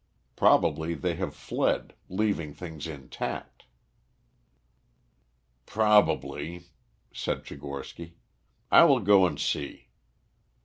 Probably they have fled, leaving things intact." "Probably," said Tchigorsky. "I will go and see."